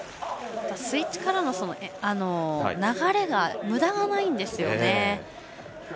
スイッチからの流れがむだがないんですよね。